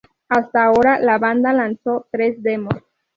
Hasta ahora, la banda lanzó tres demos.